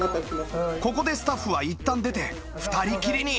ここでスタッフはいったん出て２人きりに